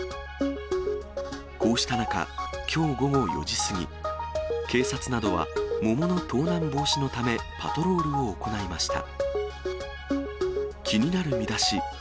こうした中、きょう午後４時過ぎ、警察などは桃の盗難防止のため、パトロールを行いました。